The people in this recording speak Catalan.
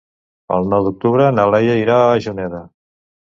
El nou d'octubre na Laia irà a Juneda.